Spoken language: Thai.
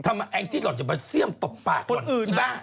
ทำไมแองจิตหล่อนจะมาเสี้ยมตบปากก่อนอีบ้า